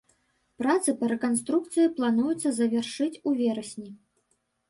Працы па рэканструкцыі плануецца завершыць у верасні.